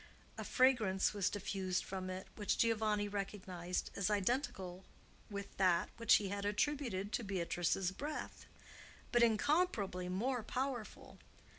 A fragrance was diffused from it which Giovanni recognized as identical with that which he had attributed to Beatrice's breath, but incomparably more powerful.